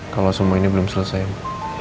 kalau semua ini belum selesai